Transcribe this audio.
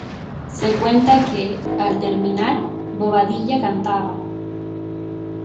Se cuenta que, al terminar, Bobadilla cantaba.